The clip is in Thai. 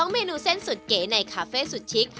เมนูเส้นสุดเก๋ในคาเฟ่สุดชิค